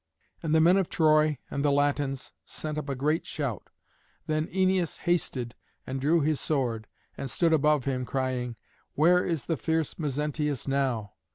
And the men of Troy and the Latins sent up a great shout. Then Æneas hasted and drew his sword, and stood above him, crying, "Where is the fierce Mezentius now?"